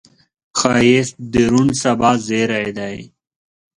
ښایست د روڼ سبا زیری دی